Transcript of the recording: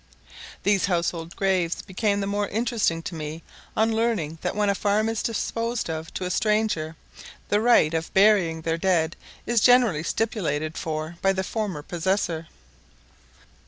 These household graves became the more interesting to me on learning that when a farm is disposed of to a stranger, the right of burying their dead is generally stipulated for by the former possessor.